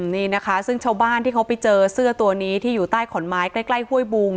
นี่นะคะซึ่งชาวบ้านที่เขาไปเจอเสื้อตัวนี้ที่อยู่ใต้ขอนไม้ใกล้ห้วยบุง